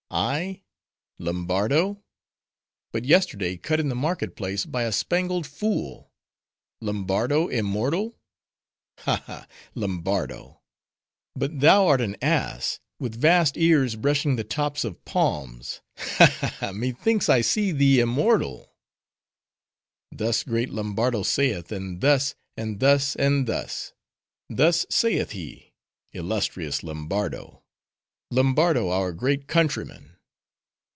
—I?— Lombardo? but yesterday cut in the market place by a spangled fool!— Lombardo immortal?—Ha, ha, Lombardo! but thou art an ass, with vast ears brushing the tops of palms! Ha, ha, ha! Methinks I see thee immortal! 'Thus great Lombardo saith; and thus; and thus; and thus:— thus saith he—illustrious Lombardo!—Lombardo, our great countryman!